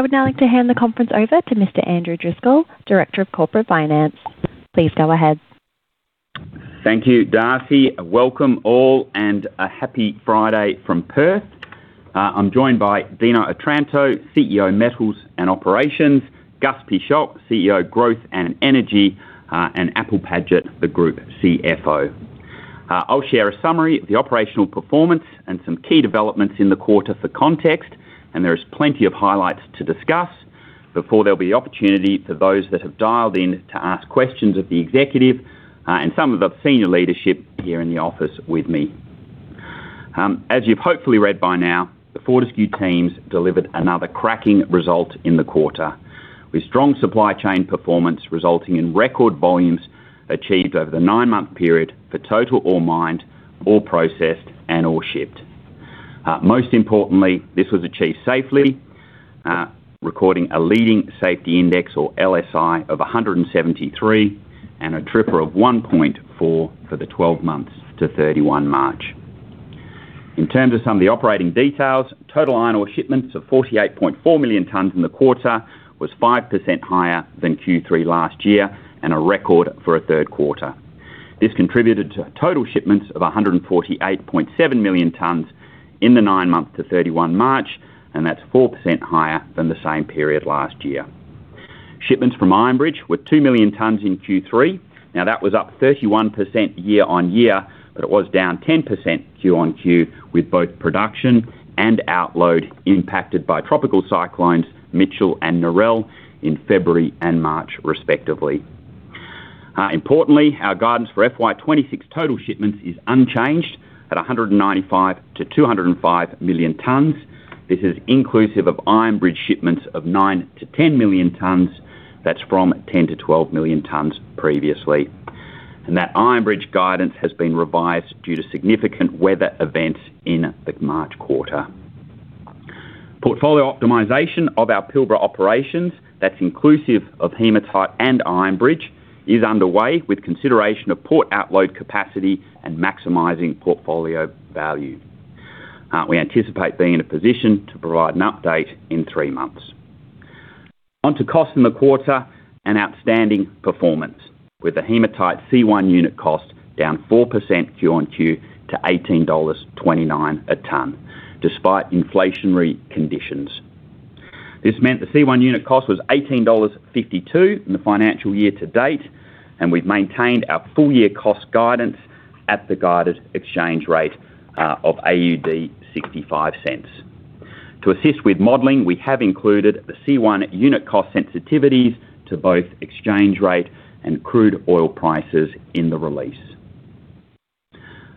I would now like to hand the conference over to Mr. Andrew Driscoll, Director of Corporate Finance. Please go ahead. Thank you, Darcy. Welcome all, and a happy Friday from Perth. I'm joined by Dino Otranto, CEO, Metals and Operations, Gus Pichot, CEO of Growth and Energy, and Apple Paget, the Group CFO. I'll share a summary of the operational performance and some key developments in the quarter for context, and there is plenty of highlights to discuss before there'll be opportunity for those that have dialed in to ask questions of the executive and some of the senior leadership here in the office with me. As you've hopefully read by now, the Fortescue teams delivered another cracking result in the quarter, with strong supply chain performance resulting in record volumes achieved over the nine-month period for total ore mined, ore processed, and ore shipped. Most importantly, this was achieved safely, recording a leading safety index, or LSI, of 173, and a TRIFR of 1.4 for the 12 months to 31 March. In terms of some of the operating details, total iron ore shipments of 48.4 million tons in the quarter was 5% higher than Q3 last year and a record for a third quarter. This contributed to total shipments of 148.7 million tons in the nine months to 31 March, and that's 4% higher than the same period last year. Shipments from Iron Bridge were 2 million tons in Q3. Now, that was up 31% year-on-year, but it was down 10% Q-on-Q, with both production and outload impacted by Tropical Cyclone Mitchell and Narelle in February and March respectively. Importantly, our guidance for FY 2026 total shipments is unchanged at 195 million tons-205 million tons. This is inclusive of Iron Bridge shipments of 9 million tons-10 million tons. That's from 10 million tons-12 million tons previously. That Iron Bridge guidance has been revised due to significant weather events in the March quarter. Portfolio optimization of our Pilbara operations, that's inclusive of hematite and Iron Bridge, is underway with consideration of port outload capacity and maximizing portfolio value. We anticipate being in a position to provide an update in three months. On to cost in the quarter, an outstanding performance, with a hematite C1 unit cost down 4% Q-on-Q to $18.29 a ton, despite inflationary conditions. This meant the C1 unit cost was $18.52 in the financial year to date, and we've maintained our full year cost guidance at the guided exchange rate of 0.65. To assist with modeling, we have included the C1 unit cost sensitivities to both exchange rate and crude oil prices in the release.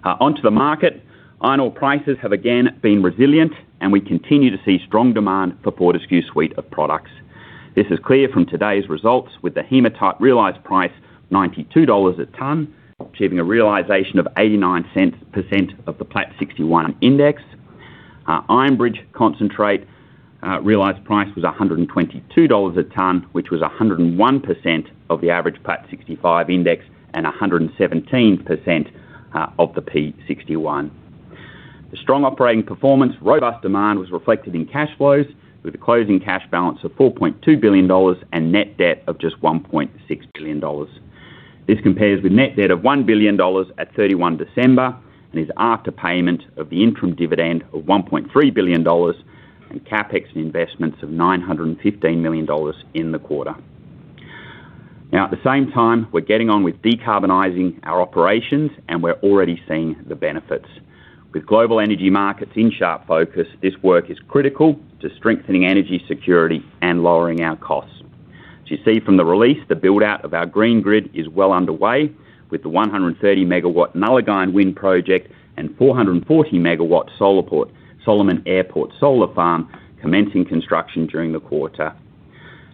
On to the market, iron ore prices have again been resilient, and we continue to see strong demand for Fortescue suite of products. This is clear from today's results with the hematite realized price $92 a ton, achieving a realization of 89% of the Platts 61% Index. Iron Bridge concentrate realized price was $122 a ton, which was 101% of the average Platts 65% Index and 117% of the P 61%. The strong operating performance, robust demand was reflected in cash flows with a closing cash balance of $4.2 billion and net debt of just $1.6 billion. This compares with net debt of $ billion at 31 December and is after payment of the interim dividend of $1.3 billion and CapEx and investments of $915 million in the quarter. Now, at the same time, we're getting on with decarbonizing our operations, and we're already seeing the benefits. With global energy markets in sharp focus, this work is critical to strengthening energy security and lowering our costs. As you see from the release, the build-out of our green grid is well underway with the 130 MW Nullagine Wind Project and 440 MW Solomon Airport Solar Farm commencing construction during the quarter.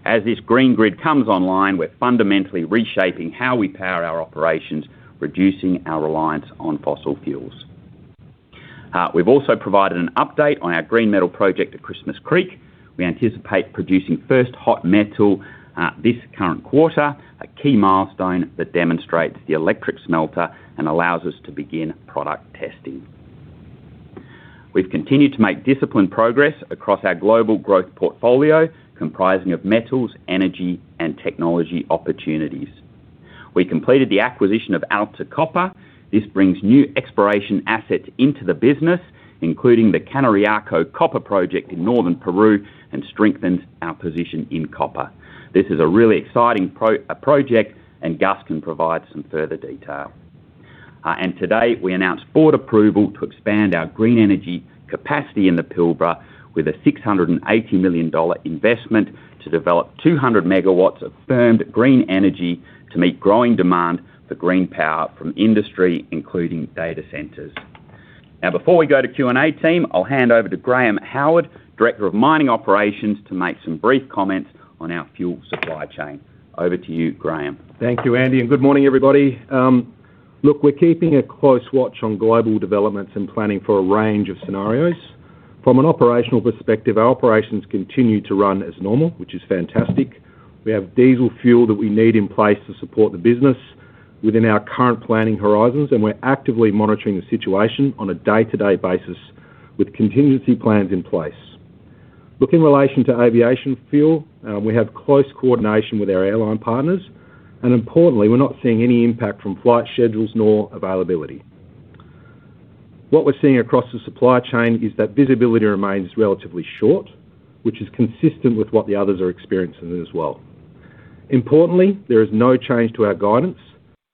As this green grid comes online, we're fundamentally reshaping how we power our operations, reducing our reliance on fossil fuels. We've also provided an update on our Green Metal Project at Christmas Creek. We anticipate producing first hot metal this current quarter, a key milestone that demonstrates the electric smelter and allows us to begin product testing. We've continued to make disciplined progress across our global growth portfolio comprising of metals, energy, and technology opportunities. We completed the acquisition of Alta Copper. This brings new exploration assets into the business, including the Cañariaco copper project in northern Peru and strengthens our position in copper. This is a really exciting project, and Gus can provide some further detail. Today, we announced board approval to expand our green energy capacity in the Pilbara with an $680 million investment to develop 200 MW of firmed green energy to meet growing demand for green power from industry, including data centers. Now, before we go to Q&A team, I'll hand over to Graham Howard, Director of Mining Operations, to make some brief comments on our fuel supply chain. Over to you, Graham. Thank you, Andy, and good morning, everybody. Look, we're keeping a close watch on global developments and planning for a range of scenarios. From an operational perspective, our operations continue to run as normal, which is fantastic. We have diesel fuel that we need in place to support the business within our current planning horizons, and we're actively monitoring the situation on a day-to-day basis with contingency plans in place. Look, in relation to aviation fuel, we have close coordination with our airline partners, and importantly, we're not seeing any impact from flight schedules nor availability. What we're seeing across the supply chain is that visibility remains relatively short, which is consistent with what the others are experiencing as well. Importantly, there is no change to our guidance,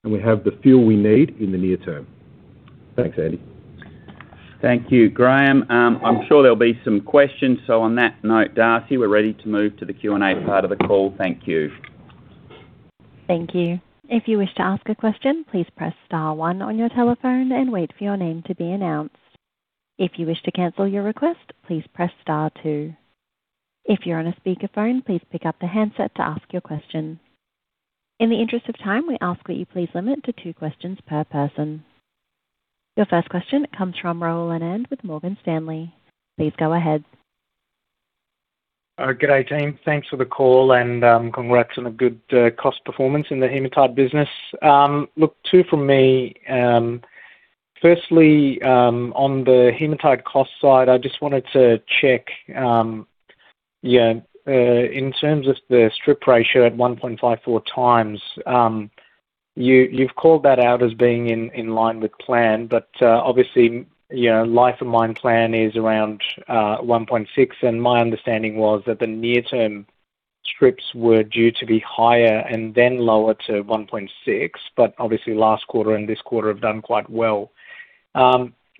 and we have the fuel we need in the near term. Thanks, Andy. Thank you, Graham. I'm sure there'll be some questions. On that note, Darcy, we're ready to move to the Q&A part of the call. Thank you. Thank you. If you wish to ask a question, please press star one on your telephone and wait for your name to be announced. If you wish to cancel your request, please press star two. If you're on a speakerphone, please pick up the handset to ask your question. In the interest of time, we ask that you please limit to two questions per person. Your first question comes from Rahul Anand with Morgan Stanley. Please go ahead. All right. Good day, team. Thanks for the call and congrats on a good cost performance in the hematite business. Look, two from me. Firstly, on the hematite cost side, I just wanted to check, in terms of the strip ratio at 1.54x, you've called that out as being in line with plan. But obviously, life of mine plan is around 1.6x, and my understanding was that the near-term strips were due to be higher and then lower to 1.6x, but obviously last quarter and this quarter have done quite well.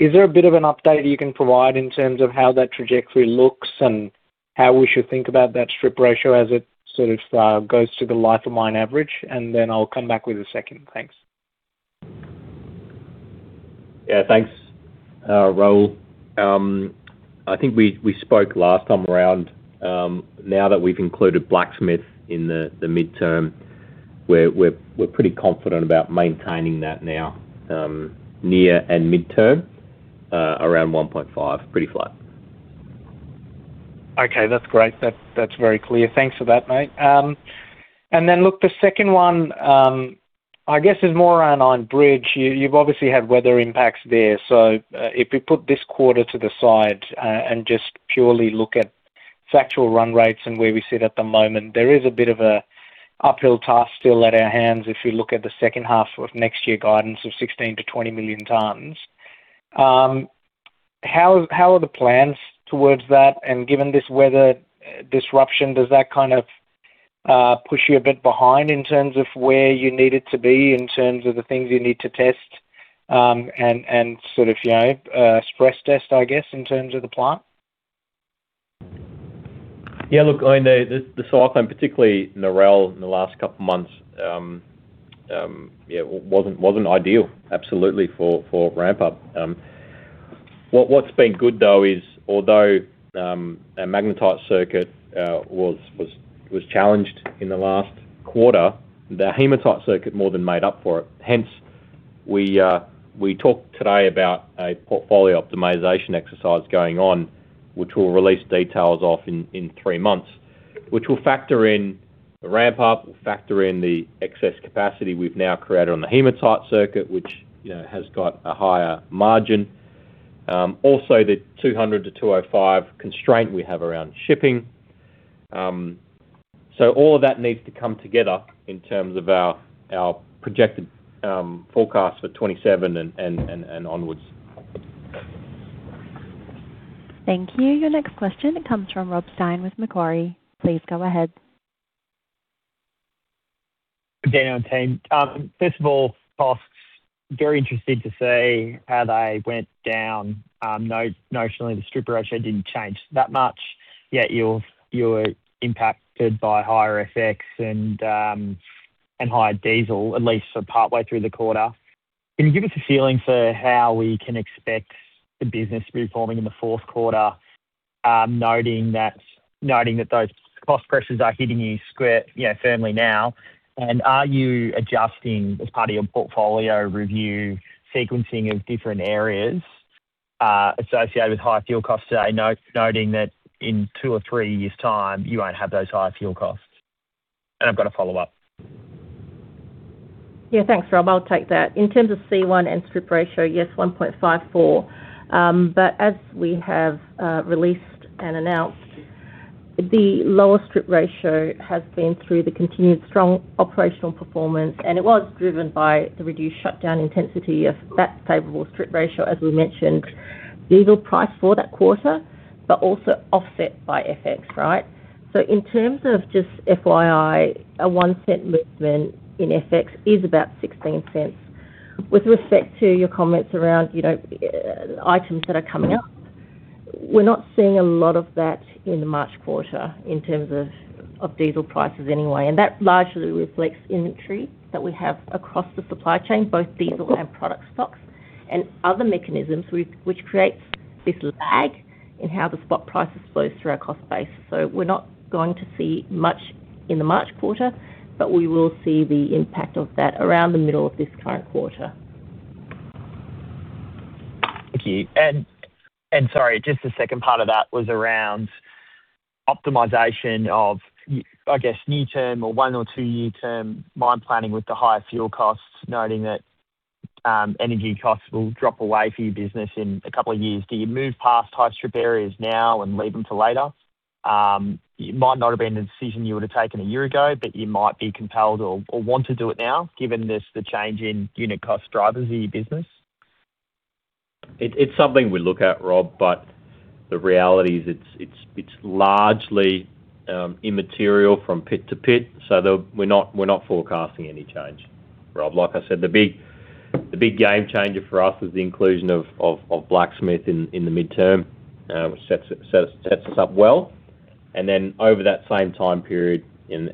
Is there a bit of an update you can provide in terms of how that trajectory looks and how we should think about that strip ratio as it sort of goes to the life of mine average? And then I'll come back with a second. Thanks. Yeah, thanks, Rahul. I think we spoke last time around. Now that we've included Blacksmith in the midterm, we're pretty confident about maintaining that now near and midterm around 1.5x, pretty flat. Okay, that's great. That's very clear. Thanks for that, mate. Look, the second one, I guess is more on Iron Bridge. You've obviously had weather impacts there. If we put this quarter to the side and just purely look at factual run rates and where we sit at the moment, there is a bit of a uphill task still at our hands if you look at the second half of next year guidance of 16 million tons-20 million tons. How are the plans towards that? Given this weather disruption, does that kind of push you a bit behind in terms of where you needed to be, in terms of the things you need to test, and sort of stress test, I guess, in terms of the plan? Yeah, look, I mean, the cyclone, particularly Narelle in the last couple of months, wasn't ideal, absolutely for ramp up. What's been good, though, is although our magnetite circuit was challenged in the last quarter, the hematite circuit more than made up for it. Hence, we talked today about a portfolio optimization exercise going on, which we'll release details of in three months, which will factor in the ramp up, will factor in the excess capacity we've now created on the hematite circuit, which has got a higher margin. Also, the 200 constraint-205 constraint we have around shipping. All of that needs to come together in terms of our projected forecast for 2027 and onwards. Thank you. Your next question comes from Rob Stein with Macquarie. Please go ahead. Good day, team. First of all, costs, very interested to see how they went down. Notionally, the strip ratio didn't change that much, yet you were impacted by higher FX and higher diesel, at least partway through the quarter. Can you give us a feeling for how we can expect the business to be performing in the fourth quarter, noting that those cost pressures are hitting you firmly now? Are you adjusting, as part of your portfolio review, sequencing of different areas associated with high fuel costs today, noting that in two or three years' time, you won't have those high fuel costs? I've got a follow-up. Yeah, thanks, Rob. I'll take that. In terms of C1 and strip ratio, yes, 1.54. As we have released and announced, the lower strip ratio has been through the continued strong operational performance, and it was driven by the reduced shutdown intensity of that favorable strip ratio, as we mentioned, diesel price for that quarter, but also offset by FX. Right? In terms of just FYI, a $0.01 movement in FX is about $0.16. With respect to your comments around items that are coming up, we're not seeing a lot of that in the March quarter in terms of diesel prices anyway. That largely reflects inventory that we have across the supply chain, both diesel and product stocks, and other mechanisms which creates this lag in how the spot price flows through our cost base. We're not going to see much in the March quarter, but we will see the impact of that around the middle of this current quarter. Thank you. Sorry, just the second part of that was around optimization of, I guess, near-term or one or two-year term mine planning with the higher fuel costs, noting that energy costs will drop away for your business in a couple of years. Do you move past high strip areas now and leave them for later? It might not have been a decision you would have taken a year ago, but you might be compelled or want to do it now given the change in unit cost drivers in your business. It's something we look at, Rob, but the reality is it's largely immaterial from pit to pit. We're not forecasting any change, Rob. Like I said, the big game changer for us is the inclusion of Blacksmith in the midterm, which sets us up well. Over that same time period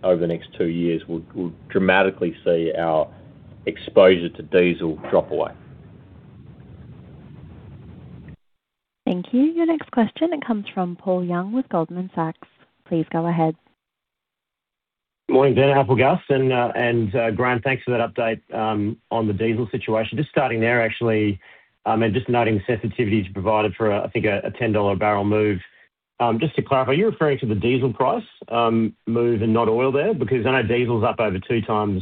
over the next two years, we'll dramatically see our exposure to diesel drop away. Thank you. Your next question comes from Paul Young with Goldman Sachs. Please go ahead. Morning, Dino, Apple, Gus, and Graham. Thanks for that update on the diesel situation. Just starting there, actually, and just noting sensitivities provided for, I think, a $10 a barrel move. Just to clarify, are you referring to the diesel price move and not oil there? Because I know diesel's up over 2x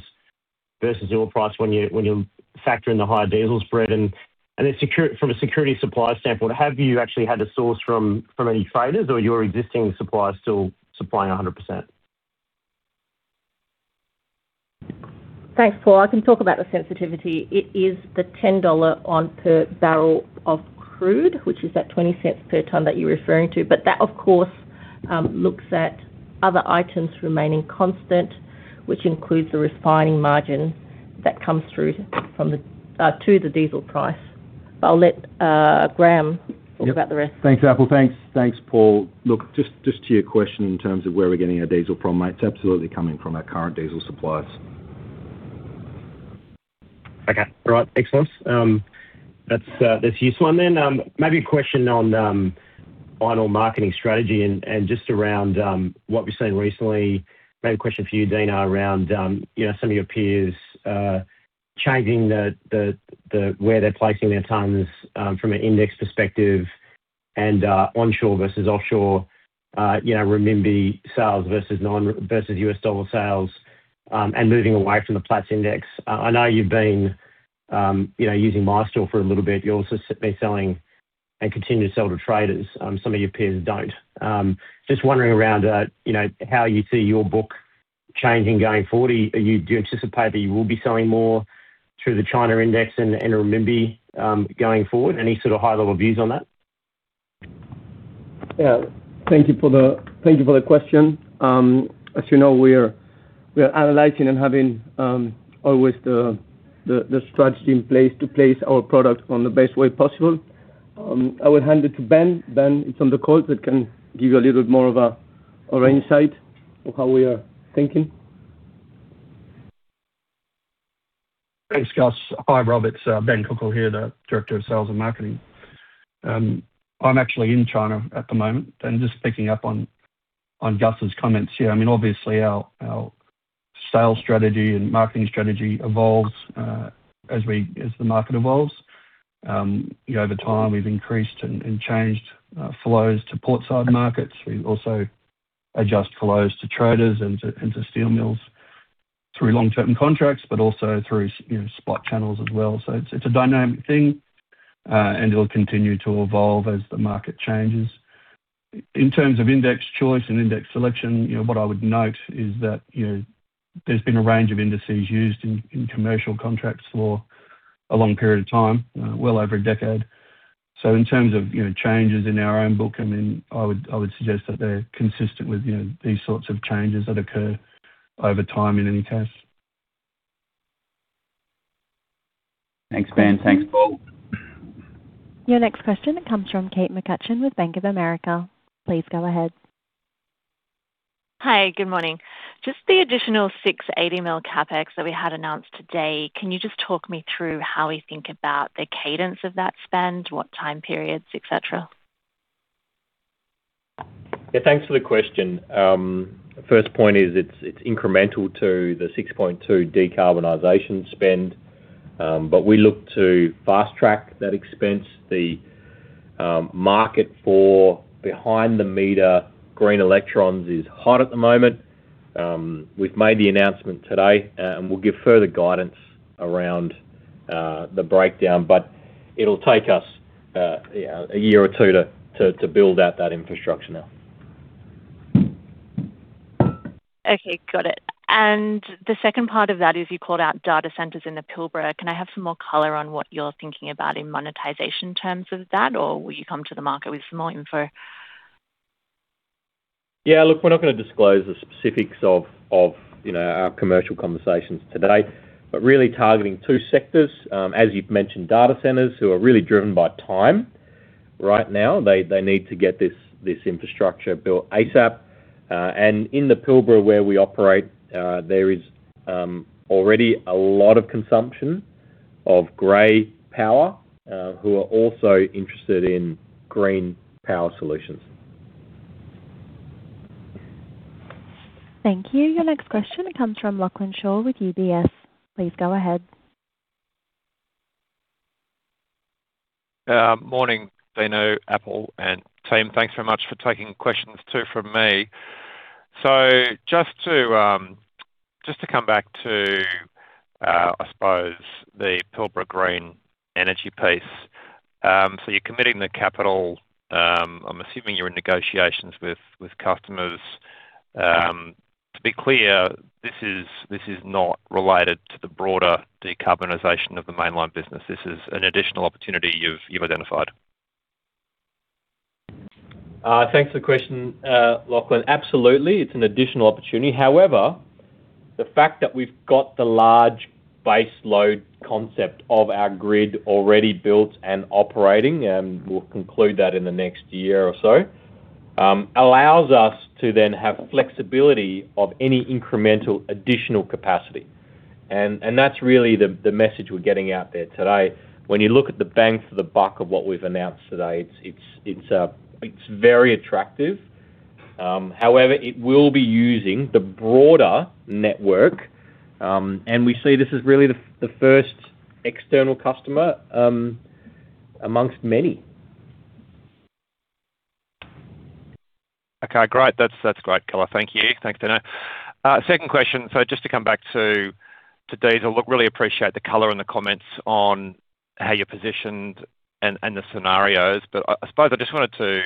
versus oil price when you factor in the higher diesel spread. From a secure supply standpoint, have you actually had to source from any traders or are your existing suppliers still supplying 100%? Thanks, Paul. I can talk about the sensitivity. It is the $10 per barrel of crude, which is that $0.20 per ton that you're referring to. But that, of course, looks at other items remaining constant, which includes the refining margin that comes through to the diesel price. I'll let Graham talk about the rest. Thanks, Apple. Thanks, Paul. Look, just to your question in terms of where we're getting our diesel from, mate, it's absolutely coming from our current diesel suppliers. Okay. All right. Excellent. That's a useful one then. Maybe a question on iron marketing strategy and just around what we've seen recently. Maybe a question for you, Dino, around some of your peers changing where they're placing their tons from an index perspective and onshore versus offshore renminbi sales versus U.S. dollar sales and moving away from the Platts index. I know you've been using Mysteel for a little bit. You've also been selling and continue to sell to traders. Some of your peers don't. Just wondering how you see your book changing going forward. Do you anticipate that you will be selling more through the China index and renminbi going forward? Any sort of high-level views on that? Yeah. Thank you for the question. As you know, we are analyzing and having always the strategy in place to place our product on the best way possible. I will hand it to Ben. Ben is on the call that can give you a little more of our insight of how we are thinking. Thanks, Gus. Hi, Rob, it's Ben Kuchel here, the Director of Sales and Marketing. I'm actually in China at the moment, and just picking up on Gus's comments here. Obviously, our sales strategy and marketing strategy evolves as the market evolves. Over time, we've increased and changed flows to portside markets. We also adjust flows to traders and to steel mills through long-term contracts, but also through spot channels as well. It's a dynamic thing, and it'll continue to evolve as the market changes. In terms of index choice and index selection, what I would note is that there's been a range of indices used in commercial contracts for a long period of time, well over a decade. In terms of changes in our own book, I would suggest that they're consistent with these sorts of changes that occur over time in any case. Thanks, Ben. Thanks, Paul. Your next question comes from Kate McCutcheon with Bank of America. Please go ahead. Hi. Good morning. Just the additional $680 million CapEx that we had announced today, can you just talk me through how we think about the cadence of that spend, what time periods, et cetera? Yeah. Thanks for the question. First point is it's incremental to the $6.2 billion decarbonization spend, but we look to fast track that expense. The market for behind the meter green electrons is hot at the moment. We've made the announcement today, and we'll give further guidance around the breakdown, but it'll take us a year or two to build out that infrastructure now. Okay. Got it. The second part of that is you called out data centers in the Pilbara. Can I have some more color on what you're thinking about in monetization terms of that, or will you come to the market with some more info? Yeah, look, we're not gonna disclose the specifics of our commercial conversations today, but really targeting two sectors. As you've mentioned, data centers who are really driven by time right now. They need to get this infrastructure built ASAP. In the Pilbara where we operate, there is already a lot of consumption of gray power, who are also interested in green power solutions. Thank you. Your next question comes from Lachlan Shaw with UBS. Please go ahead. Morning, Dino, Apple, and team. Thanks very much for taking questions too from me. Just to come back to, I suppose the Pilbara green energy piece. You're committing the capital, I'm assuming you're in negotiations with customers. To be clear, this is not related to the broader decarbonization of the mainline business. This is an additional opportunity you've identified. Thanks for the question, Lachlan. Absolutely, it's an additional opportunity. However, the fact that we've got the large base load concept of our grid already built and operating, and we'll conclude that in the next year or so, allows us to then have flexibility of any incremental additional capacity. That's really the message we're getting out there today. When you look at the bang for the buck of what we've announced today, it's very attractive. However, it will be using the broader network, and we see this is really the first external customer amongst many. Okay, great. That's great color. Thank you. Thanks, Dino. Second question. Just to come back to diesel. Look, really appreciate the color and the comments on how you're positioned and the scenarios, but I suppose I just wanted to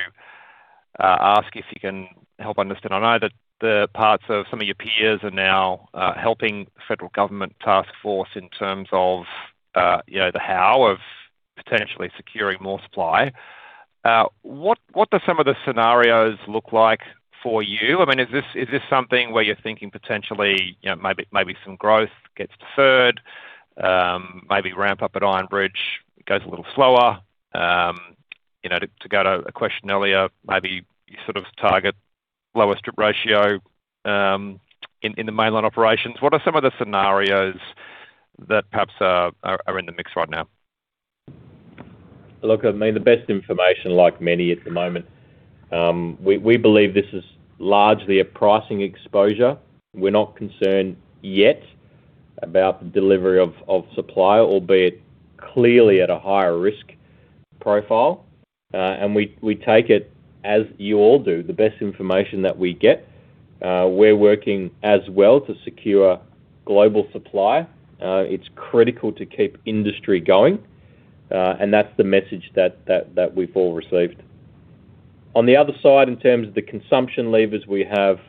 ask if you can help understand. I know that the parts of some of your peers are now helping federal government task force in terms of the how of potentially securing more supply. What do some of the scenarios look like for you? Is this something where you're thinking potentially maybe some growth gets deferred, maybe ramp up at Iron Bridge goes a little slower, to go to a question earlier, maybe you sort of target lower strip ratio, in the mainline operations? What are some of the scenarios that perhaps are in the mix right now? Look, I mean, the best information like many at the moment, we believe this is largely a pricing exposure. We're not concerned yet about the delivery of supply, albeit clearly at a higher risk profile. We take it, as you all do, the best information that we get. We're working as well to secure global supply. It's critical to keep industry going. That's the message that we've all received. On the other side, in terms of the consumption levers we have,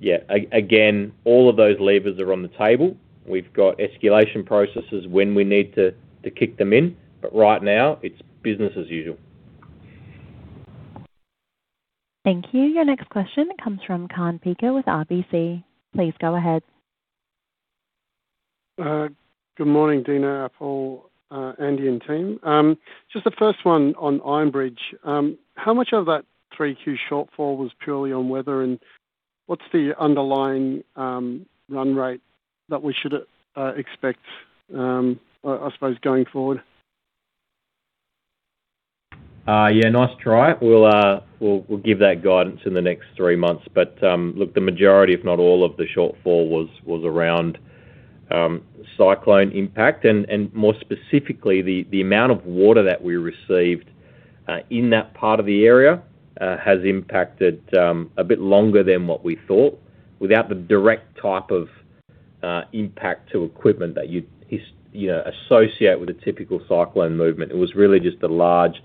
yeah, again, all of those levers are on the table. We've got escalation processes when we need to kick them in. Right now, it's business as usual. Thank you. Your next question comes from Kaan Peker with RBC. Please go ahead. Good morning, Dino, Apple, Andy, and team. Just the first one on Iron Bridge. How much of that 3Q shortfall was purely on weather, and what's the underlying run rate that we should expect, I suppose, going forward? Yeah, nice try. We'll give that guidance in the next three months. Look, the majority, if not all of the shortfall was around cyclone impact, and more specifically, the amount of water that we received, in that part of the area, has impacted a bit longer than what we thought without the direct type of impact to equipment that you associate with a typical cyclone movement. It was really just a large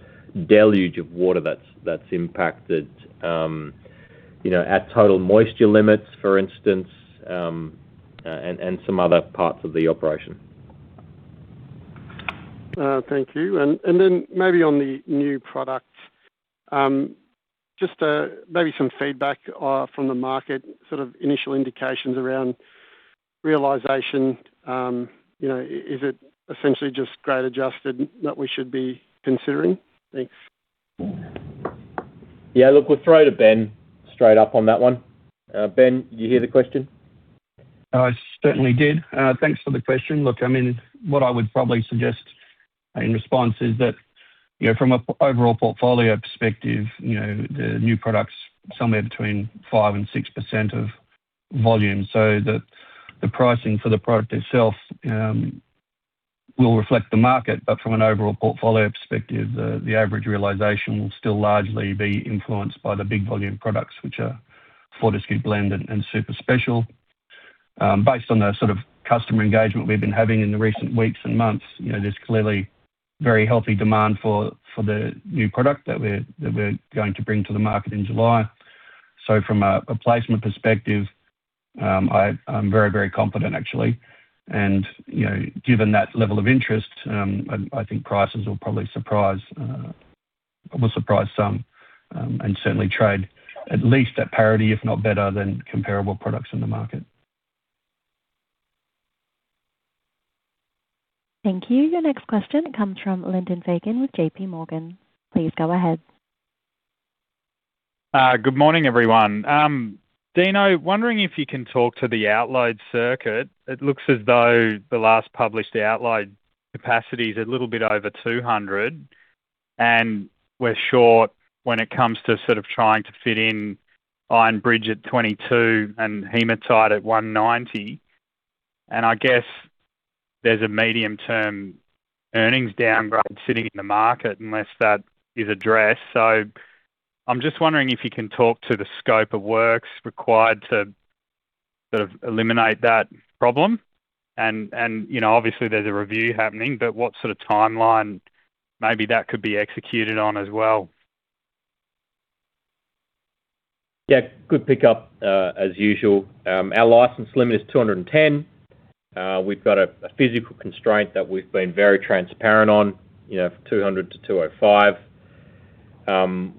deluge of water that's impacted at total moisture limits, for instance, and some other parts of the operation. Thank you. Maybe on the new products, just maybe some feedback, from the market, sort of initial indications around realization, is it essentially just grade adjusted that we should be considering? Thanks. Yeah, look, we'll throw to Ben straight up on that one. Ben, did you hear the question? I certainly did. Thanks for the question. Look, what I would probably suggest in response is that from an overall portfolio perspective, the new product's somewhere between 5% and 6% of volume. The pricing for the product itself will reflect the market. From an overall portfolio perspective, the average realization will still largely be influenced by the big volume products, which are Fortescue Blend and Super Special. Based on the sort of customer engagement we've been having in the recent weeks and months, there's clearly very healthy demand for the new product that we're going to bring to the market in July. From a placement perspective, I'm very, very confident actually. Given that level of interest, I think prices will probably surprise some, and certainly trade at least at parity, if not better than comparable products in the market. Thank you. Your next question comes from Lyndon Fagan with JPMorgan. Please go ahead. Good morning, everyone. Dino, wondering if you can talk to the outload circuit. It looks as though the last published outload capacity is a little bit over 200. We're short when it comes to sort of trying to fit in Iron Bridge at 22 and hematite at 190. I guess there's a medium-term earnings downgrade sitting in the market unless that is addressed. I'm just wondering if you can talk to the scope of works required to sort of eliminate that problem, and obviously there's a review happening, but what sort of timeline maybe that could be executed on as well? Yeah. Good pick-up as usual. Our license limit is 210. We've got a physical constraint that we've been very transparent on, for 200-205.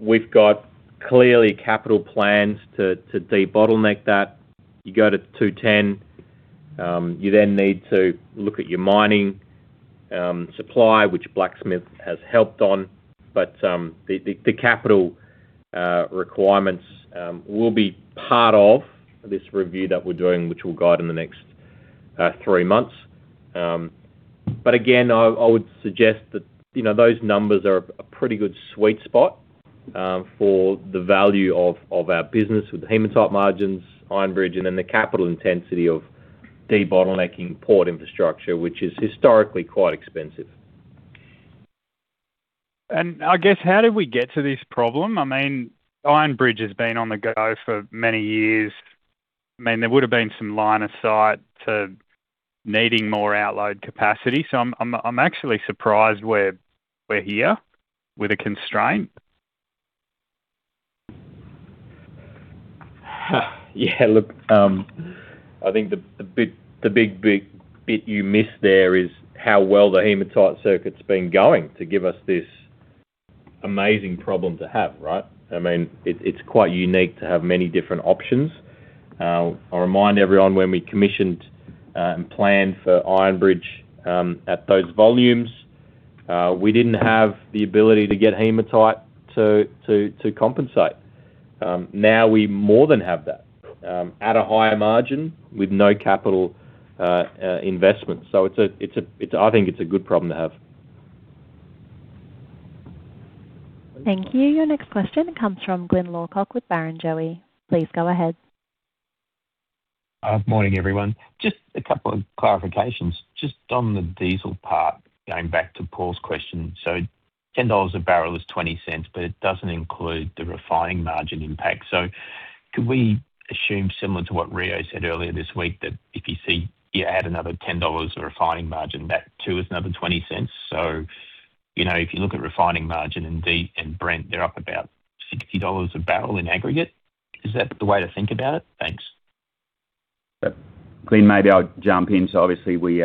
We've got clearly capital plans to de-bottleneck that. You go to 210, you then need to look at your mining supply, which Blacksmith has helped on. The capital requirements will be part of this review that we're doing, which we'll guide in the next three months. Again, I would suggest that those numbers are a pretty good sweet spot for the value of our business with the hematite margins, Iron Bridge, and then the capital intensity of de-bottlenecking port infrastructure, which is historically quite expensive. I guess how did we get to this problem? Iron Bridge has been on the go for many years. There would have been some line of sight to needing more outlet capacity. I'm actually surprised we're here with a constraint. Yeah, look, I think the big bit you missed there is how well the hematite circuit's been going to give us this amazing problem to have, right? It's quite unique to have many different options. I'll remind everyone when we commissioned and planned for Iron Bridge at those volumes, we didn't have the ability to get hematite to compensate. Now we more than have that, at a higher margin with no capital investment. I think it's a good problem to have. Thank you. Your next question comes from Glyn Lawcock with Barrenjoey. Please go ahead. Morning, everyone. Just a couple of clarifications. Just on the diesel part, going back to Paul's question. $10 a barrel is $0.20, but it doesn't include the refining margin impact. Could we assume similar to what Rio said earlier this week, that if you see you add another $10 a refining margin, that too is another $0.20. If you look at refining margin in Brent, they're up about $60 a barrel in aggregate. Is that the way to think about it? Thanks. Glyn, maybe I'll jump in. Obviously we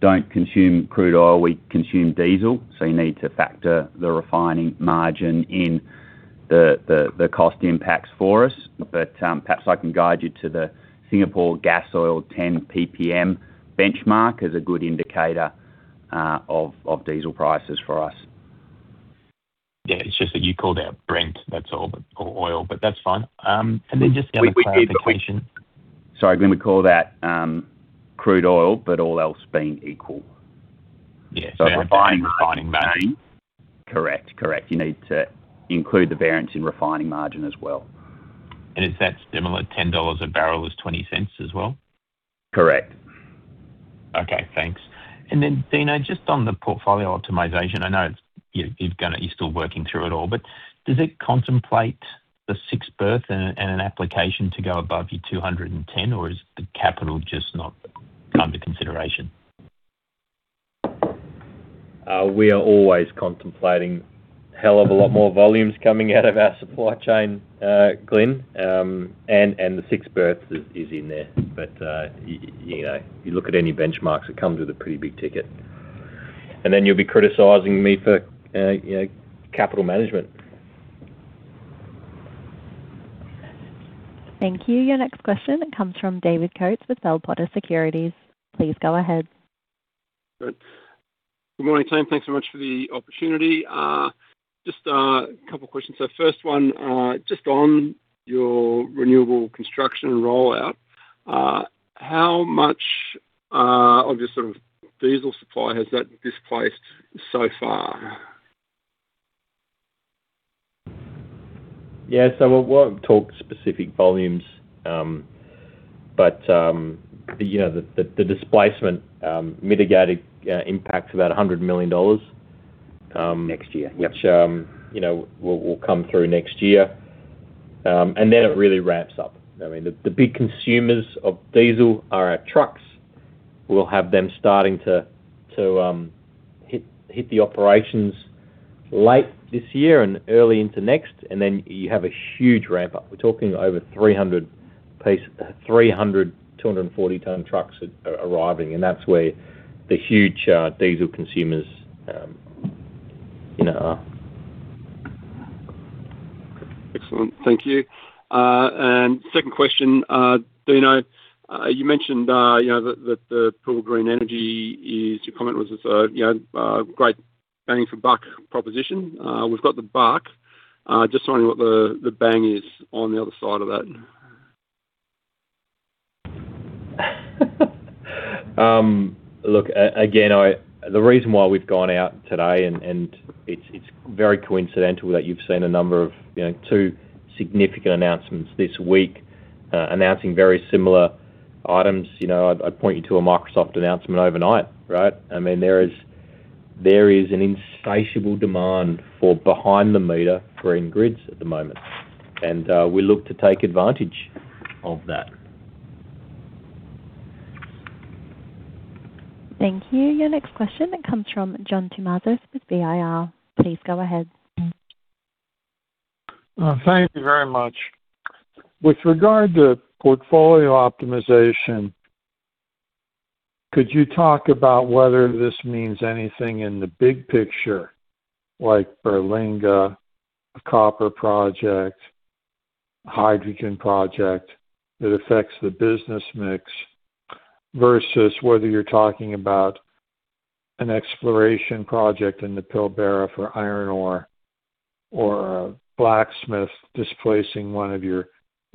don't consume crude oil, we consume diesel, so you need to factor the refining margin in the cost impacts for us. Perhaps I can guide you to the Singapore Gasoil 10 ppm benchmark as a good indicator of diesel prices for us. Yeah. It's just that you called out Brent, that's all. All oil, but that's fine. Then just the other clarification- Sorry, Glyn, we call that crude oil, but all else being equal. Yeah. Refining margin. Correct. You need to include the variance in refining margin as well. Is that similar, $10 a barrel is $0.20 as well? Correct. Okay, thanks. Dino, just on the portfolio optimization, I know you're still working through it all, but does it contemplate the sixth berth and an application to go above your 210? Or is the capital just not under consideration? We are always contemplating hell of a lot more volumes coming out of our supply chain, Glyn, and the sixth berth is in there. You look at any benchmarks, it comes with a pretty big ticket. You'll be criticizing me for capital management. Thank you. Your next question comes from David Coates with Bell Potter Securities. Please go ahead. Good morning, team. Thanks so much for the opportunity. Just a couple questions. First one, just on your renewable construction rollout, how much of your diesel supply has that displaced so far? Yeah. We won't talk specific volumes, but the displacement mitigated impact's about $100 million. Next year. Yep, which will come through next year, and then it really ramps up. The big consumers of diesel are our trucks. We'll have them starting to hit the operations late this year and early into next, and then you have a huge ramp up. We're talking over 300-ton and 340-ton trucks are arriving, and that's where the huge diesel consumers are. Excellent. Thank you. Second question, Dino, you mentioned that the Pilbara green energy, your comment was it's a great bang for buck proposition. We've got the buck, just wondering what the bang is on the other side of that? Look, again, the reason why we've gone out today, and it's very coincidental that you've seen two significant announcements this week announcing very similar items. I'd point you to a Microsoft announcement overnight, right? There is an insatiable demand for behind-the-meter green grids at the moment. We look to take advantage of that. Thank you. Your next question comes from John Tumazos with VIR. Please go ahead. Thank you very much. With regard to portfolio optimization, could you talk about whether this means anything in the big picture, like Belinga, the copper project, hydrogen project, that affects the business mix versus whether you're talking about an exploration project in the Pilbara for iron ore or a Blacksmith displacing one of your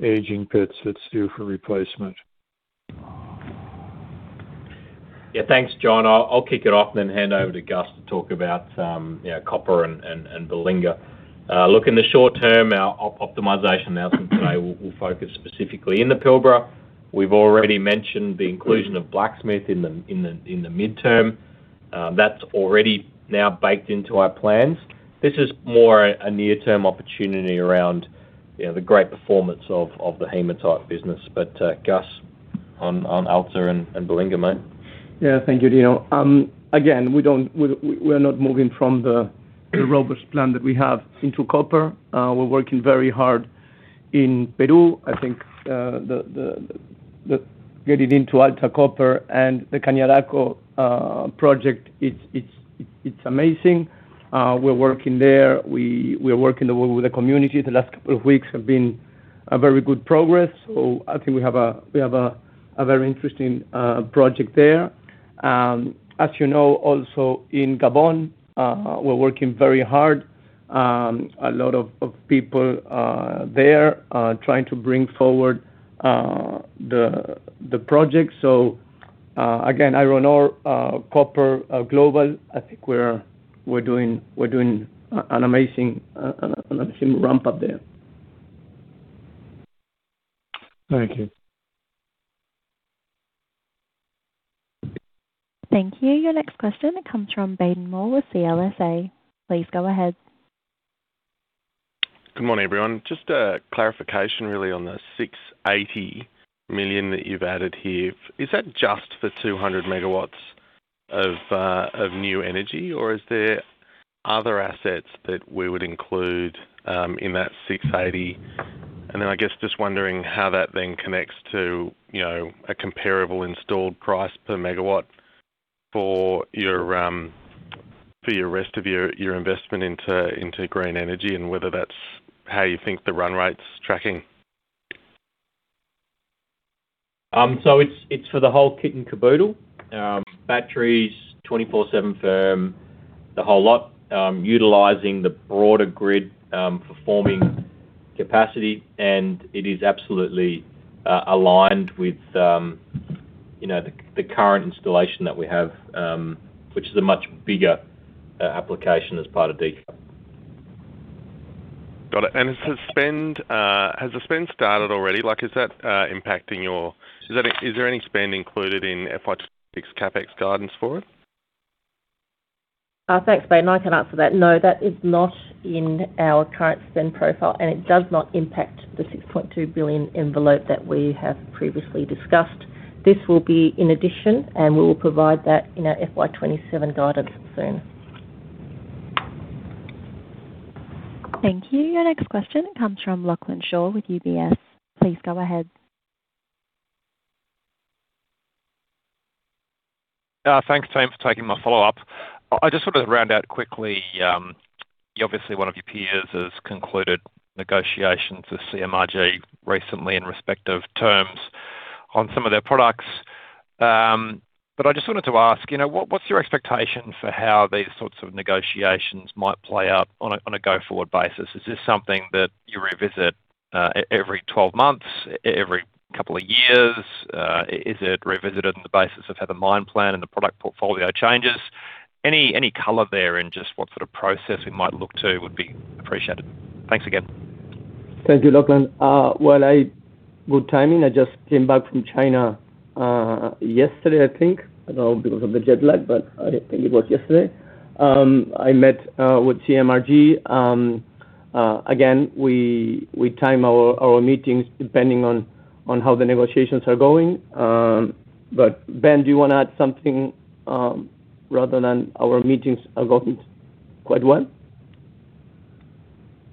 aging pits that's due for replacement? Yeah. Thanks, John. I'll kick it off and then hand over to Gus to talk about copper and Belinga. Look, in the short term, our optimization announcement today will focus specifically in the Pilbara. We've already mentioned the inclusion of Blacksmith in the midterm. That's already now baked into our plans. This is more a near-term opportunity around the great performance of the hematite business. Gus, on Alta and Belinga, mate. Yeah. Thank you, Dino. Again, we're not moving from the robust plan that we have into copper. We're working very hard in Peru. I think getting into Alta Copper and the Cañariaco project, it's amazing. We're working there. We are working with the community. The last couple of weeks have been a very good progress. I think we have a very interesting project there. As you know, also in Gabon, we're working very hard. A lot of people are there, trying to bring forward the project. Again, iron ore, copper, global, I think we're doing an amazing ramp-up there. Thank you. Thank you. Your next question comes from Baden Moore with CLSA. Please go ahead. Good morning, everyone. Just a clarification really on the $680 million that you've added here. Is that just for 200 MW of new energy, or is there other assets that we would include in that $680 million? I guess, just wondering how that then connects to a comparable installed price per MW for the rest of your investment into green energy, and whether that's how you think the run rate's tracking. It's for the whole kit and caboodle. Batteries, 24/7 firm, the whole lot, utilizing the broader grid for firming capacity, and it is absolutely aligned with the current installation that we have, which is a much bigger application as part of decarbonization. Got it. Has the spend started already? Is there any spend included in FY 2026 CapEx guidance for it? Thanks, Baden. I can answer that. No, that is not in our current spend profile, and it does not impact the $6.2 billion envelope that we have previously discussed. This will be in addition, and we will provide that in our FY 2027 guidance soon. Thank you. Your next question comes from Lachlan Shaw with UBS. Please go ahead. Thanks, team, for taking my follow-up. I just want to round out quickly. Obviously, one of your peers has concluded negotiations with CMRG recently in respect of terms on some of their products. I just wanted to ask, what's your expectation for how these sorts of negotiations might play out on a go-forward basis? Is this something that you revisit every 12 months, every couple of years? Is it revisited on the basis of how the mine plan and the product portfolio changes? Any color there in just what sort of process we might look to would be appreciated. Thanks again. Thank you, Lachlan. Good timing. I just came back from China yesterday, I think. I don't know because of the jet lag, but I think it was yesterday. I met with CMRG. Again, we time our meetings depending on how the negotiations are going. Ben, do you want to add something, other than our meetings are going quite well?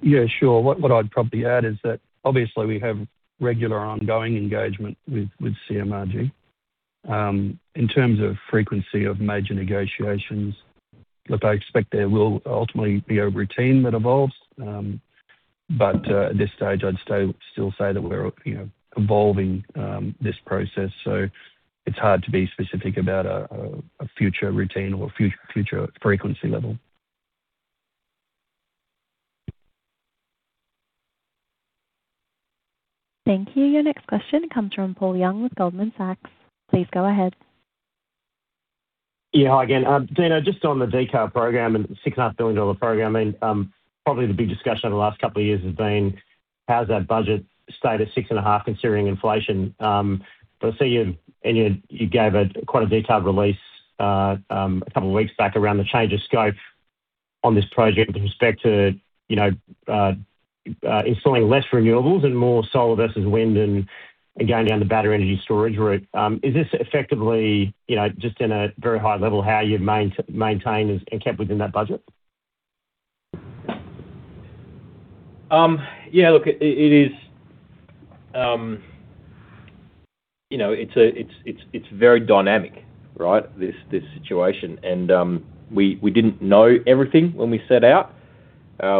Yeah, sure. What I'd probably add is that obviously we have regular ongoing engagement with CMRG. In terms of frequency of major negotiations, look, I expect there will ultimately be a routine that evolves. At this stage, I'd still say that we're evolving this process, so it's hard to be specific about a future routine or future frequency level. Thank you. Your next question comes from Paul Young with Goldman Sachs. Please go ahead. Yeah. Hi again. Dino, just on the decarbonization program and the $6.5 billion program, probably the big discussion over the last couple of years has been how has that budget stayed at $6.5 billion considering inflation? I see you gave quite a detailed release a couple of weeks back around the change of scope on this project with respect to installing less renewables and more solar versus wind and going down the battery energy storage route. Is this effectively, just in a very high level, how you've maintained and kept within that budget? Yeah. Look, it's very dynamic, right, this situation. We didn't know everything when we set out.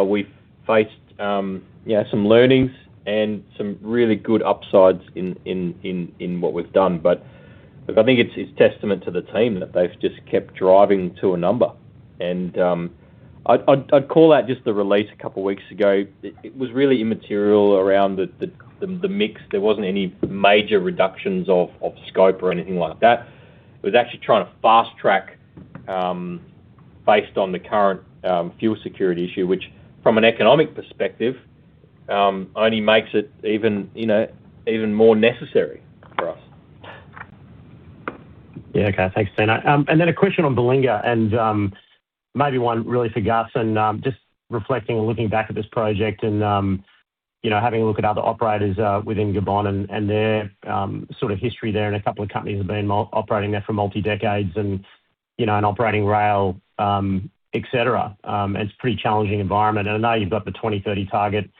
We faced some learnings and some really good upsides in what we've done. Look, I think it's testament to the team that they've just kept driving to a number. I'd call out just the release a couple of weeks ago. It was really immaterial around the mix. There wasn't any major reductions of scope or anything like that. It was actually trying to fast-track based on the current fuel security issue, which from an economic perspective, only makes it even more necessary for us. Yeah. Okay. Thanks, Dino. A question on Belinga and maybe one really for Gus and just reflecting and looking back at this project and having a look at other operators within Gabon and their sort of history there, and a couple of companies have been operating there for multi-decades and operating rail, et cetera. It's a pretty challenging environment. I know you've got the 2030 target,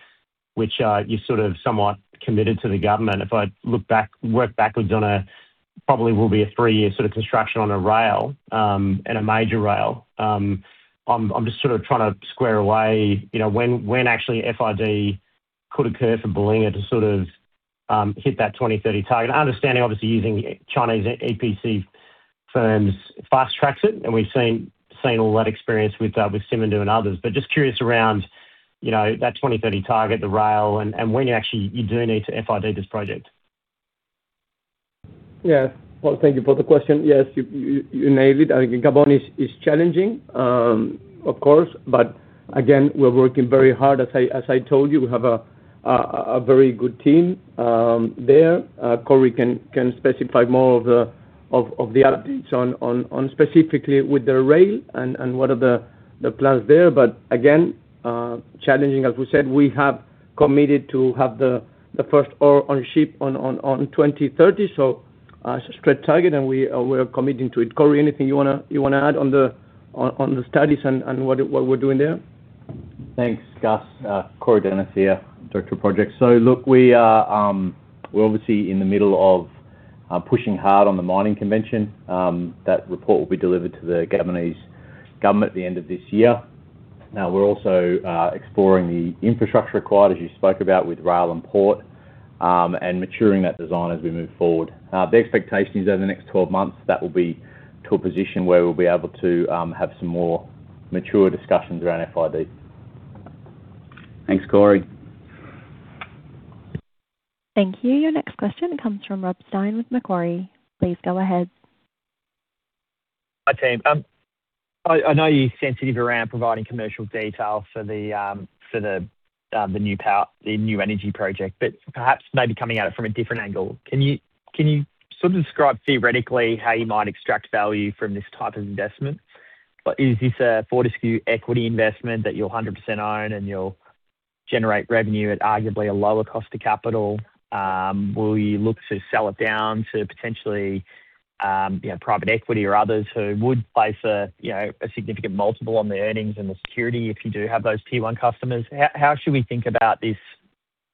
which you sort of somewhat committed to the government. If I work backwards on a, probably will be a three-year sort of construction on a rail, and a major rail. I'm just sort of trying to square away when actually FID could occur for Belinga to sort of hit that 2030 target. Understanding, obviously, using Chinese EPC firms fast-tracks it, and we've seen all that experience with Simandou and others. Just curious around that 2030 target, the rail, and when you actually do need to FID this project? Yeah. Paul, thank you for the question. Yes, you nailed it. I think Gabon is challenging, of course. Again, we're working very hard. As I told you, we have a very good team there. Corey can specify more of the updates on specifically with the rail and what are the plans there, but again, challenging, as we said. We have committed to have the first ore on ship in 2030. It's a strict target, and we are committing to it. Corey, anything you wanna add on the studies and what we're doing there? Thanks, Gus. Corey Dennis here, Director of Projects. Look, we are obviously in the middle of pushing hard on the mining convention. That report will be delivered to the Gabonese government at the end of this year. We're also exploring the infrastructure required, as you spoke about, with rail and port, and maturing that design as we move forward. The expectation is over the next 12 months, that will be to a position where we'll be able to have some more mature discussions around FID. Thanks, Corey. Thank you. Your next question comes from Rob Stein with Macquarie. Please go ahead. Hi, team. I know you're sensitive around providing commercial detail for the new energy project, but perhaps maybe coming at it from a different angle. Can you sort of describe theoretically how you might extract value from this type of investment? Is this a Fortescue equity investment that you'll 100% own and you'll generate revenue at arguably a lower cost to capital? Will you look to sell it down to potentially private equity or others who would place a significant multiple on the earnings and the security if you do have those tier one customers? How should we think about this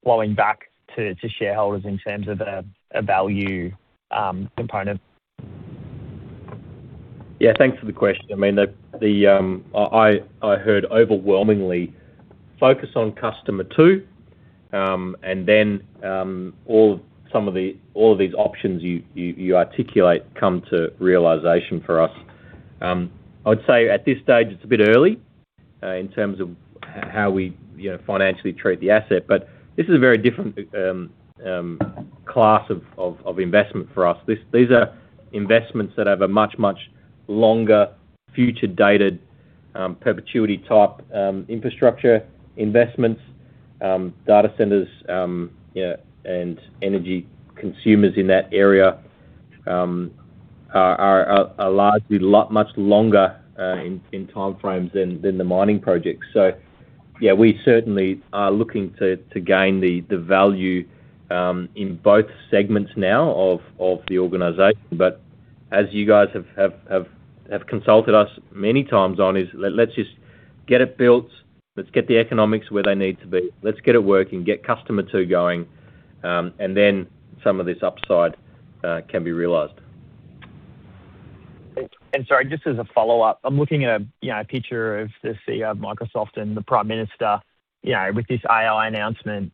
flowing back to shareholders in terms of a value component? Yeah. Thanks for the question. I heard overwhelmingly focus on customer two, and then all of these options you articulate come to realization for us. I'd say at this stage it's a bit early, in terms of how we financially treat the asset. This is a very different class of investment for us. These are investments that have a much, much longer future-dated, perpetuity type, infrastructure investments. Data centers and energy consumers in that area are largely much longer in time frames than the mining projects. Yeah, we certainly are looking to gain the value in both segments now of the organization. As you guys have consulted us many times on is, let's just get it built, let's get the economics where they need to be, let's get it working, get customer two going, and then some of this upside can be realized. Sorry, just as a follow-up. I'm looking at a picture of the CEO of Microsoft and the Prime Minister, with this AI announcement.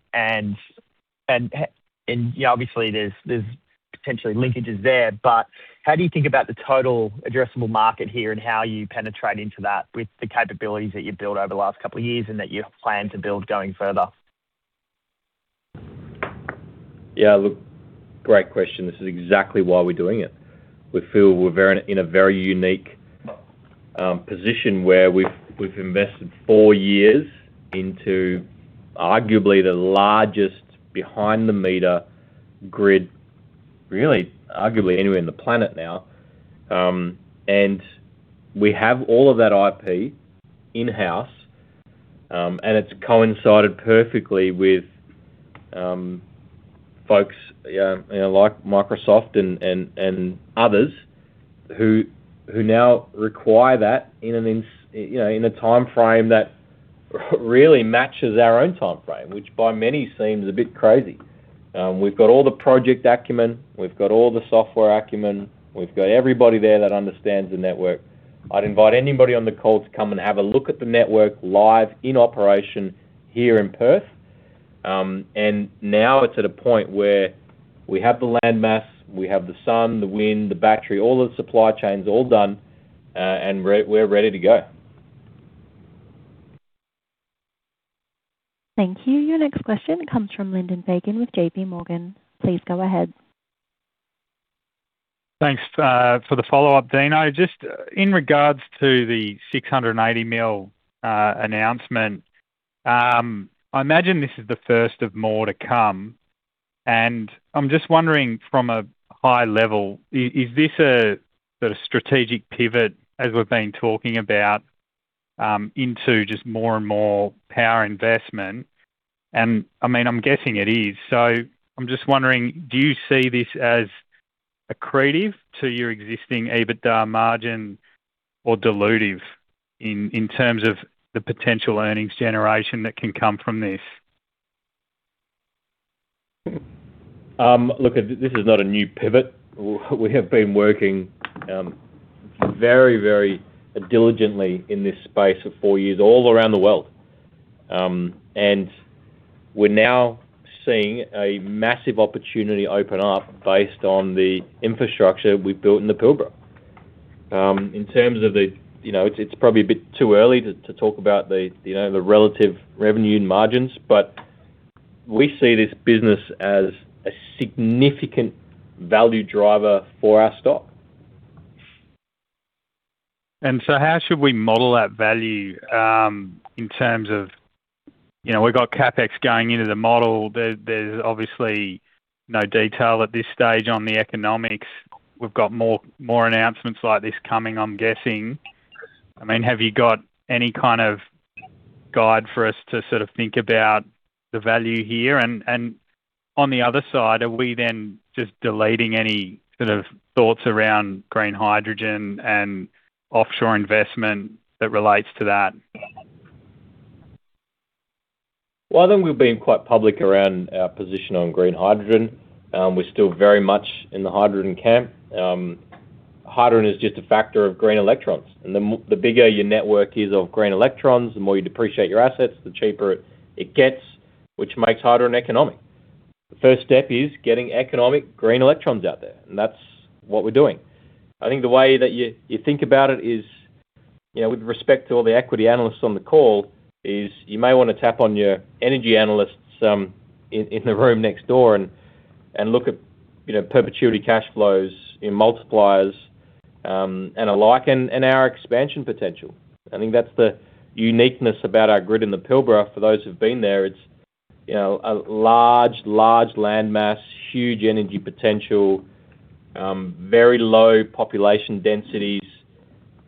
Obviously, there's potentially linkages there, but how do you think about the total addressable market here and how you penetrate into that with the capabilities that you've built over the last couple of years and that you plan to build going further? Yeah, look, great question. This is exactly why we're doing it. We feel we're in a very unique position where we've invested four years into arguably the largest behind the meter grid, really, arguably anywhere in the planet now. We have all of that IP in-house, and it's coincided perfectly with folks like Microsoft and others who now require that in a timeframe that really matches our own timeframe, which by many seems a bit crazy. We've got all the project acumen, we've got all the software acumen, we've got everybody there that understands the network. I'd invite anybody on the call to come and have a look at the network live in operation here in Perth. Now it's at a point where we have the land mass, we have the sun, the wind, the battery, all the supply chains all done, and we're ready to go. Thank you. Your next question comes from Lyndon Fagan with JPMorgan. Please go ahead. Thanks for the follow-up, Dino. Just in regards to the $680 million announcement, I imagine this is the first of more to come, and I'm just wondering from a high level, is this a sort of strategic pivot as we've been talking about, into just more and more power investment? I'm guessing it is. I'm just wondering, do you see this as accretive to your existing EBITDA margin or dilutive in terms of the potential earnings generation that can come from this? Look, this is not a new pivot. We have been working very diligently in this space for four years, all around the world. We're now seeing a massive opportunity open up based on the infrastructure we've built in the Pilbara. It's probably a bit too early to talk about the relative revenue margins, but we see this business as a significant value driver for our stock. How should we model that value in terms of, we've got CapEx going into the model. There's obviously no detail at this stage on the economics. We've got more announcements like this coming, I'm guessing. Have you got any kind of guide for us to sort of think about the value here? On the other side, are we then just deleting any sort of thoughts around green hydrogen and offshore investment that relates to that? Well, I think we've been quite public around our position on green hydrogen. We're still very much in the hydrogen camp. Hydrogen is just a factor of green electrons, and the bigger your network is of green electrons, the more you depreciate your assets, the cheaper it gets, which makes hydrogen economic. The first step is getting economic green electrons out there, and that's what we're doing. I think the way that you think about it is, with respect to all the equity analysts on the call, is you may want to tap on your energy analysts in the room next door and look at perpetuity cash flows in multipliers, and alike, and our expansion potential. I think that's the uniqueness about our grid in the Pilbara. For those who've been there, it's a large land mass, huge energy potential, very low population densities,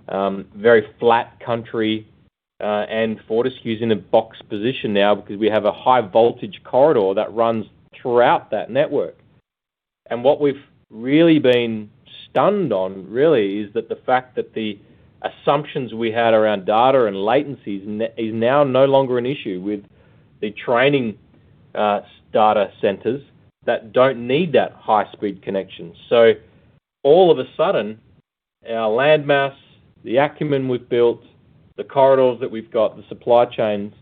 very flat country. Fortescue's in a box position now because we have a high voltage corridor that runs throughout that network. What we've really been stunned on really is that the fact that the assumptions we had around data and latencies is now no longer an issue with the training data centers that don't need that high speed connection. All of a sudden, our land mass, the acumen we've built, the corridors that we've got, the supply chains,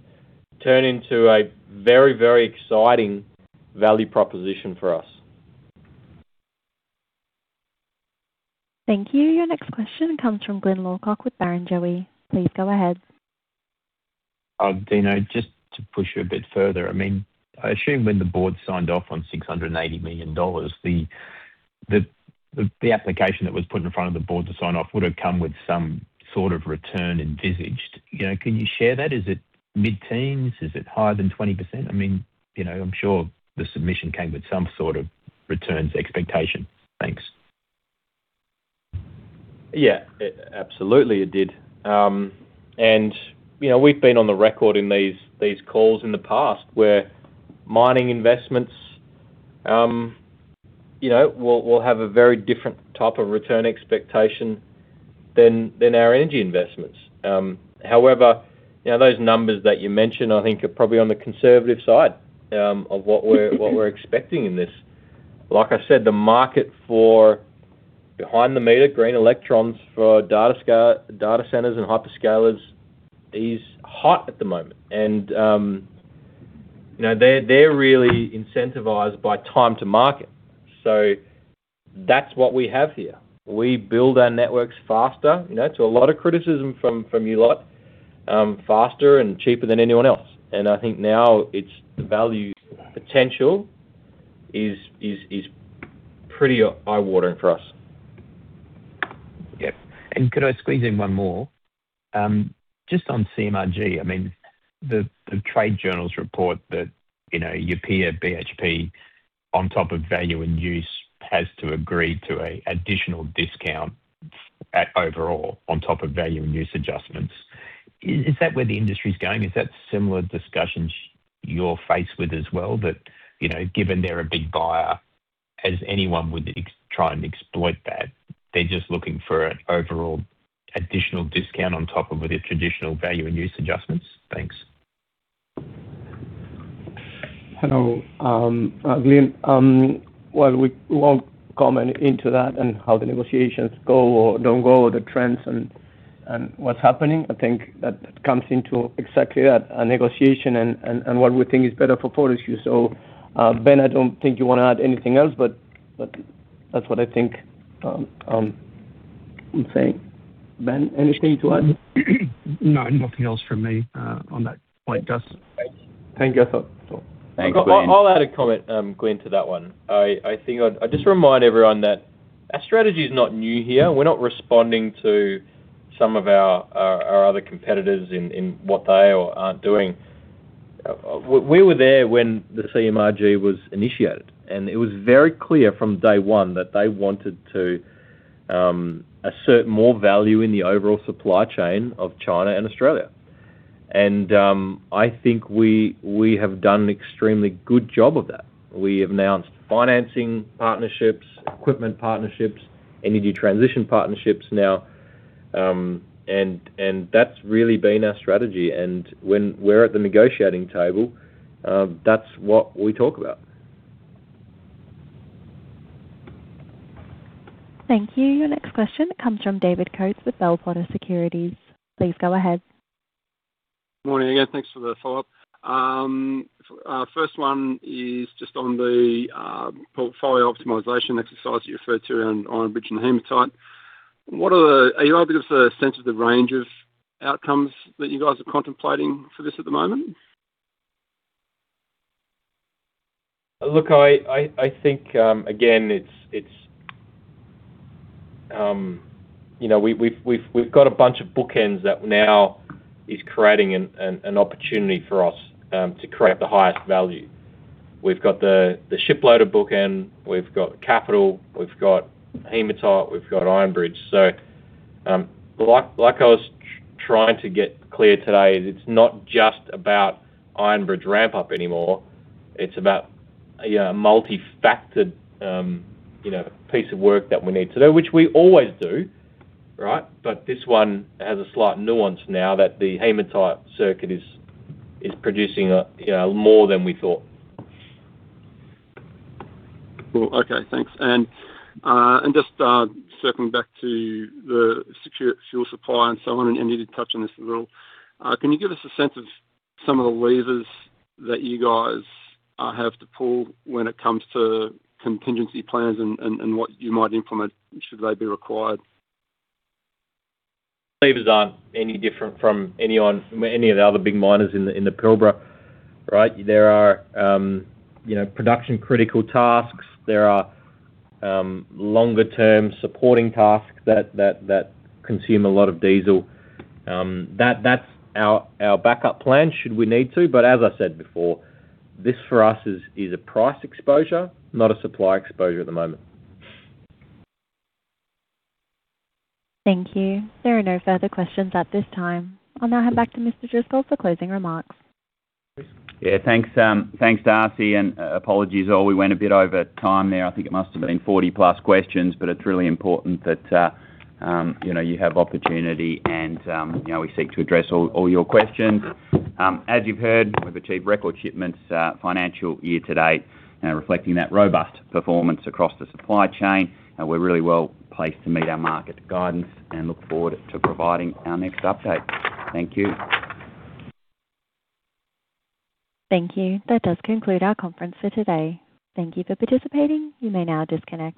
turn into a very exciting value proposition for us. Thank you. Your next question comes from Glyn Lawcock with Barrenjoey. Please go ahead. Dino, just to push you a bit further, I assume when the board signed off on $680 million, the application that was put in front of the board to sign off would have come with some sort of return envisaged. Can you share that? Is it mid-teens? Is it higher than 20%? I'm sure the submission came with some sort of returns expectation. Thanks. Yeah. Absolutely, it did. We've been on the record in these calls in the past where mining investments will have a very different type of return expectation than our energy investments. However, those numbers that you mentioned I think are probably on the conservative side of what we're expecting in this. Like I said, the market for behind the meter, green electrons for data centers and hyperscalers is hot at the moment. They're really incentivized by time to market. That's what we have here. We build our networks faster, to a lot of criticism from you lot, faster and cheaper than anyone else. I think now the value potential is pretty eye-watering for us. Yep. Could I squeeze in one more? Just on CMRG, the trade journals report that your peer, BHP, on top of value and use, has to agree to an additional discount overall on top of value and use adjustments. Is that where the industry's going? Is that similar discussions you're faced with as well? That, given they're a big buyer, as anyone would try and exploit that, they're just looking for an overall additional discount on top of the traditional value and use adjustments? Thanks. Hello. Glyn, while we won't comment on that and how the negotiations go or don't go, or the trends and what's happening, I think that comes into exactly that, a negotiation and what we think is better for Fortescue. Ben, I don't think you want to add anything else, but that's what I think. I'm saying. Ben, anything to add? No, nothing else from me on that point, Gus. Thank you. That's all. Thanks, Ben. I'll add a comment, Glyn, to that one. I'll just remind everyone that our strategy's not new here. We're not responding to some of our other competitors in what they are or aren't doing. We were there when the CMRG was initiated, and it was very clear from day one that they wanted to assert more value in the overall supply chain of China and Australia. I think we have done an extremely good job of that. We have announced financing partnerships, equipment partnerships, energy transition partnerships now, and that's really been our strategy. When we're at the negotiating table, that's what we talk about. Thank you. Your next question comes from David Coates with Bell Potter Securities. Please go ahead. Morning again. Thanks for the follow-up. First one is just on the portfolio optimization exercise you referred to on Iron Bridge and hematite. Are you able to give us a sense of the range of outcomes that you guys are contemplating for this at the moment? Look, I think, again, we've got a bunch of bookends that now is creating an opportunity for us to create the highest value. We've got the shiploader bookend, we've got capital, we've got hematite, we've got Iron Bridge. Like I was trying to get clear today, it's not just about Iron Bridge ramp-up anymore. It's about a multi-factored piece of work that we need to do, which we always do, right? This one has a slight nuance now that the hematite circuit is producing more than we thought. Cool. Okay, thanks. Just circling back to the secure fuel supply and so on, and you did touch on this a little. Can you give us a sense of some of the levers that you guys have to pull when it comes to contingency plans and what you might implement should they be required? Levers aren't any different from any of the other big miners in the Pilbara, right? There are production-critical tasks. There are longer-term supporting tasks that consume a lot of diesel. That's our backup plan, should we need to. As I said before, this for us is a price exposure, not a supply exposure at the moment. Thank you. There are no further questions at this time. I'll now hand back to Mr. Driscoll for closing remarks. Yeah. Thanks, Darcy, and apologies all. We went a bit over time there. I think it must've been 40+ questions, but it's really important that you have opportunity, and we seek to address all your questions. As you've heard, we've achieved record shipments financial year to date, reflecting that robust performance across the supply chain, and we're really well-placed to meet our market guidance and look forward to providing our next update. Thank you. Thank you. That does conclude our conference for today. Thank you for participating. You may now disconnect.